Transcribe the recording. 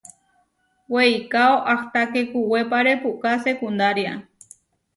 Weikáo ahtaké kuwépare puʼká sekundaria.